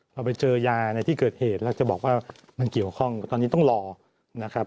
เราไปเจอยาในที่เกิดเหตุแล้วจะบอกว่ามันเกี่ยวข้องตอนนี้ต้องรอนะครับ